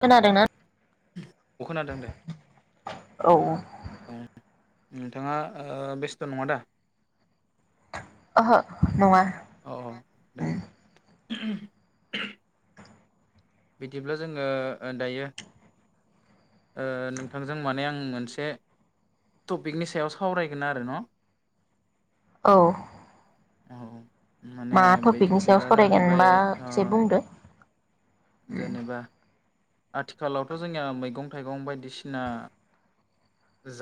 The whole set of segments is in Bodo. खोनादोंना अ खोनादों दे औ। औ नोंथाङा ओ बेस्थ' नङादा? ओहो नङा। औ औ दे। उम। बिदिब्ला जोङो ओ दायो ओ नोंथांजों माने आं मोनसे टपिकनि सायाव सावरायगोन आरो न। औ। औ। माने मा बे टपिकनि सायाव टपिकआ जाहैबाय सावरायगोनबा ओ एसे बुंदो। जेनेबा आथिखालावथ' जोंनिया मैगं थाइगं बायदिसिना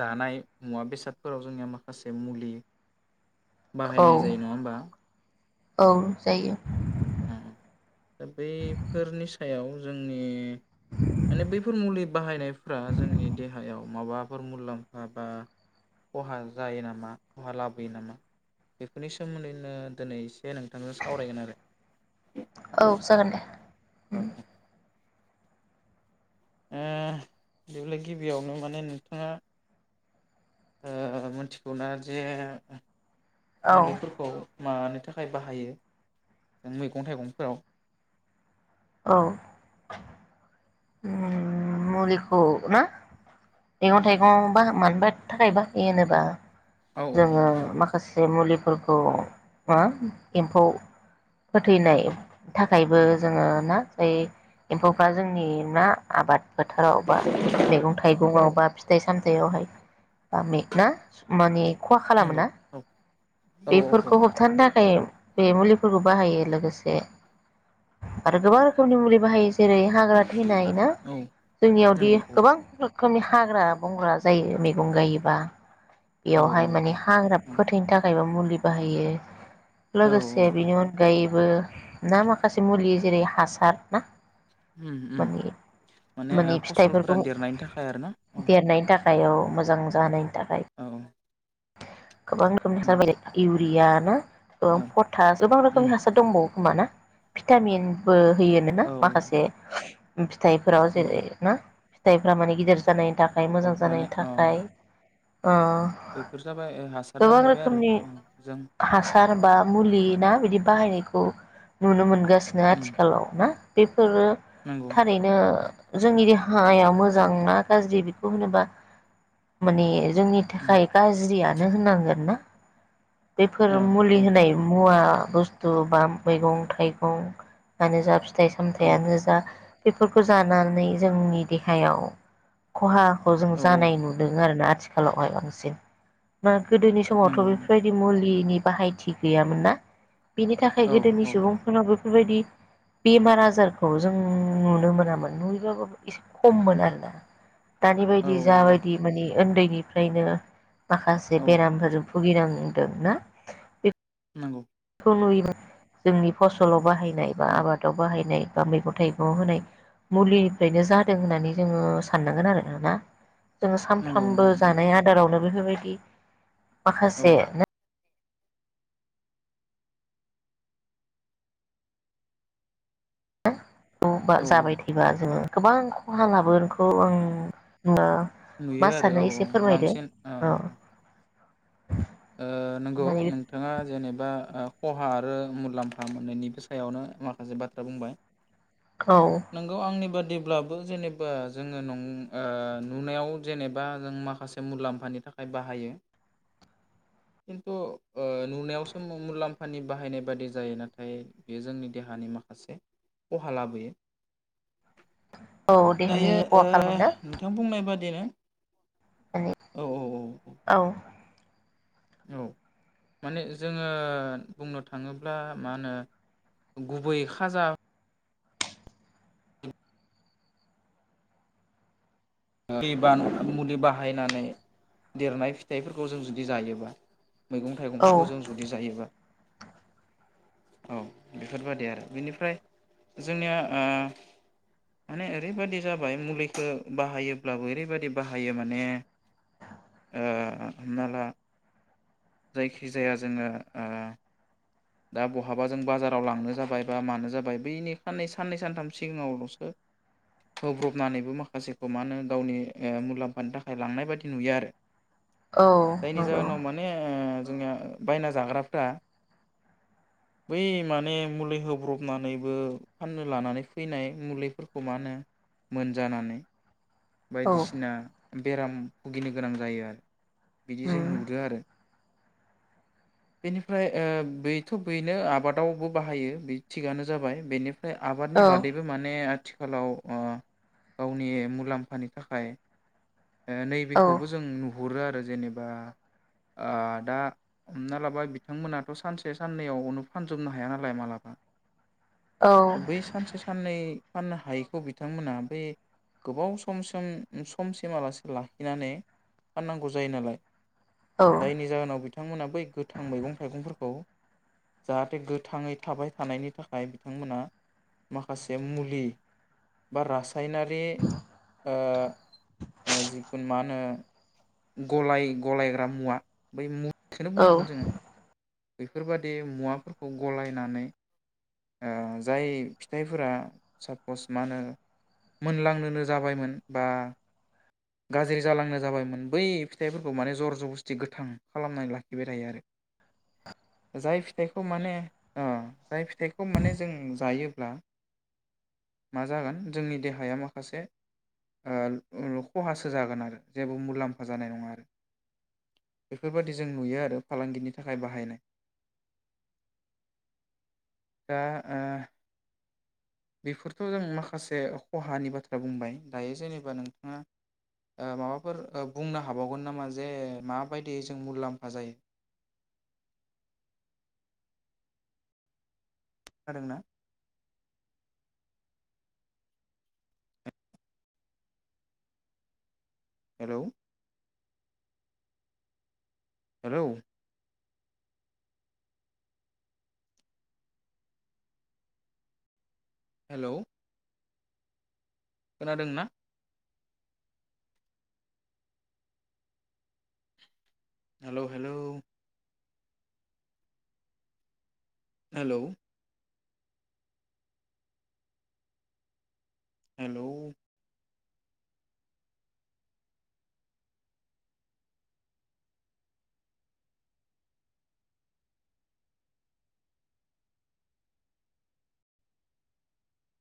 जानाय मुवा बेसादफोराव जोंनिया माखासे मुलि। औ बाहायनाय जायो नङा होमबा। औ जायो। अ दा बैफोरनि सायाव जोंनि माने बैफोर मुलि बाहायनायफ्रा जोंनि देहायाव माबाफोर मुलाम्फा बा खहा जायो नामा खहा लाबोयो नामा बेफोरनि सोमोन्दैनो दिनै एसे नोंथांजों सावरायगोन आरो। औ जागोन दे। औ औ। ओ [unintelligible] गिबियावनो माने नोंथाङा ओ मिथिगौना जे औ मुलिफोरखौ। मानि थाखाय बाहायो मैगं थाइगंफोराव? औ। ओम मुलिखौ ना। मैगं थाइगं बा मानबा थाखाय बाहायो होनोबा औ जोङो मानो थाखाय माखासे मुलि फोरखौ मा एम्फौ फोथैनाय। थाखायबो उम जोङो ना। ओइ एम्फौफ्रा जोंनि। ना आबाद फोथारावबा मैगं थाइगं आवबा फिथाइ सामथायाइयावहाय बा ना माने खहा नंगौ खालामा औ औ औ बेफोरखौ होबथानो थाखाय। बे मुलिफोरखौ बाहायो लोगोसे आरो गोबां रोखोमनि मुलि बाहायो जेरै हाग्रा थैनाय ना औ जोंनियावदि नंगौ औ गोबां खोमनि हाग्रा बंग्रा जायो मैगं गायोबा। औ बेयावहाय औ औ माने हाग्रा फोथैनो थाखायबो मुलि बाहायो औ लोगोसे औ बिनि अनगायै बो ना माखासे मुलि जेरै हासार ना उम उम माने माने फसलफोरा देरनायनि थाखाय आरो ना औ। देरनायनि थाखाय औ मोजां जानाय औ औ। [inaudible] गोबां रोखोमनि हासार बालाय इउ बियान' ओम औ फथा गोबां रोखोमनि उम हासार दंबावो। खोमा ना भिटामिनबो होयोनो औ ना माखासे फिथाइफोराव औ जेरै ना? फिथाइफ्रा माने गिदिर जानाय थाखाय औ मोजां माने जानायनि अ थाखाय। ओ। बैफोर जाबाय ओ हासार गोबां जाहैबाय आरो रोखोमनि औ जों हासार बा मुलि ना बिदि बा बाहायनायखौ नुनो मोनगासिनो उम आथिखालाव ना बे फोरो नंगौ थारैनो जोंनि देहाया मोजां ना गाज्रि बेखौ होनोबा माने जोंनि उम थाखाय गाज्रि जियानो होननांगोन ना? बेफोर औ मुलि औ होनाय मुवा बुस्थु बा मैगं थाइगं फ्रानो जा फि थाइ औ सामथाइयानो जा बेफोरखौ जानानै जोंनि देहायाव खहा खौ जों औ औ जानाय नुदों आरोना। आथिखालावहाय बांसिन। [unintelligible] गोदोनि समावथ' नंगौ बेफोरबायदि मुलि नि बाहायथि गैयामोन ना? बिनि थाखाय औ गोदोनि सुबुंफोरनावबो बेफोरबायदि बेमार आजारखौ जों नुनो मोनामोन नुयोबाबो एसे खममोन आरोना। दानि औ बायदि जाबायदि औ मानि। ओन्दैनिफ्रायनो। माखासे औ बेरामफोर ब बुगिनांदों ना। नोंगौ। खुनैयोबो जोंनि फसलाव बाहा बाहनाय बा औ आबादाव बाहायनाय। बा मैगं थाइगंयाव होनाय मुलिनिफ्रायनो जादों होननानै जोङो साननांगोन आरोना ना। जोङो नंगौ सानफ्रोमबो नंगौ नंगौ जानाय आदारावनो। बेफोरबाद दि औ माखासे नो ब-बा औ जाबाय थायोबा जोङो गोबां खहा लाबोगोनखौ आं नुवा नुयो आरो औ औ बांसिन औ औ ओ नंगौ माने नोंथाङा जेनेबा ओ खहा आरो मुलाम्फा मोननैनिबो सायावनो माखासे बाथ्रा बुंबाय औ नंगौ आंनि बाद बिदिब्लाबो जेनेबा जोङो नं ओ नुनायाव जेनेबा जों माखासे मुलाम्फानि थाखाय बाहायो खिन्थु ओ नुनायावसो मुलाम्फानि बाहायनाय बादि जायो नाथाय बेयो जोंनि देहानि माखासे खहा लाबोयो औ देहानि दायो खहा ओ नोंथां बुंनाय बाद [unintelligible] ओइ औ औ माने जोङो बुंनो थाङोब्ला मा होनो गुबै खाजा दै बान मुलि बाहायनानै देरनाय फिथाइफोरखौ जों जुदि जायोबा मैगं औ थाइगंफोरखौ जों जुदि जायोबा औ बेफोरबायदि आरो बेनिफ्राय जोंनिया ओ माने ओरैबादि जाबाय मुलिखौ बाहायो ब्लाबो ओरैबायदि बाहायो माने ओ हमना ला जायखि जाया जोङो ओ दा बहाबा जों बाजाराव लांनो जाबाय बा मानो जाबाय बैनि साननै साननै सानथाम सिगाङावलसो होब्रबनानैबो माखासेखौ मा होनो गावनि मुलाम्फानि थाखाय लांनाय बायदि नुयो आरो औ जायनि नंगौ जहोनाव माने ओ जोंनिया बायना जाग्राफ्रा बै माने मुलि होब्रबनानैबो फाननो लानानै फैनाय मुलिफोरखौ मा होनो मोनजानानै औ बायदिसिना बेराम भुगिनो गोनां जायो आरो बिदि जों उम नुदों आरो बेनिफ्राय ओ बैथ बेनो आबादावबो बाहायो बे थिगानो जाबाय बेनि ओमफ्राय आबादनि औ बादैबो माने आथिखालाव ओ गावनि मुलाम्फानि थाखाय नैबे औ खौबो जों नु हरो आरो जेनेबा आ दा हमना लाबाय बिथांमोनाथ सान्से सानसे साननैआवनो फानजोबनो हाया नालाय मालाबा औ बै सानसे साननै फाननो हायैखौ बिथांमोना बे गोबाव समसिम समसिमालासि लाखिनानै फाननांगौ जायो नालाय औ जायनि जाहोनाव बिथांमोना बै गोथां मैगं थाइगंफोरखौ जाहाथे गोथाङै थाबाय थानायनि थाखाय बिथांमोना माखासे मुलि बा [unintelligible] [unintelligible] नारि ओ जिखुनु मा होनो गलाय गलायग्रा मुवा बै मु बेखौनो औ बुंनांगोन जोङो बेफोरबायदि मुवाफोरखौ गलायनानै जाय फिथाइफोरा सापस मा होनो मोनलांनोनो जाबायमोन बा गाज्रि जालांनो जाबायमोन बै फिथाइफोरखौ माने जर जबस्थि गोथां खालामनानै लाखिबाय थायो आरो। जाय फिथाइखौ माने ओ जाय फिथाइखौ खौ माने जों जायोब्ला मा जागोन जोंनि देहाया माखासे ओ खहासो जागोन आरो जेबो मुलाम्फा जानाय नङा आरो बेफोरबादि जों नुयो आरो फालांगिनि थाखाय बाहायनाय। दा ओ बेफोरथ' जों माखासे खहानि बाथ्रा बुंबाय दायो जेनेबा नोंथाङा माबाफोर बुंनो हाबावगोन नामा? जे माबायदि जों मुलाम्फा जायो? खोनादोंना? हेल' हेल' हेलौ खोनादोंना? हेल' हेल'। हेल' हेल'